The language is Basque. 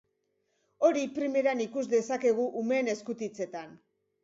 Hori primeran ikus dezakegu umeen eskutitzetan.